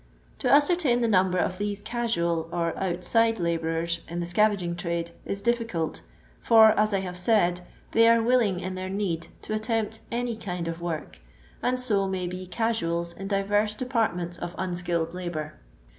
To ascertain the number of these casual or out side kboureta in the scavaging trade is difficult, for, as I have said, they are willing in their need to attempt any kind of work, and so may be "casuals" in dirers departments of unskilled labour.